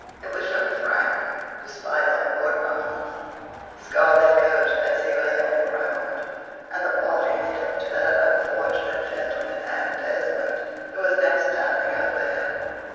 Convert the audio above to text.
It was young Frank who spied out Lord Mohun's scarlet coat as he lay on the ground, and the party made up to that unfortunate gentleman and Esmond, who was now standing over him.